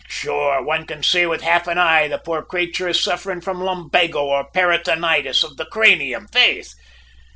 Sure, one can say with half an eye the poor crayture is sufferin' from lumbago or peritonitas on the craynium, faith!'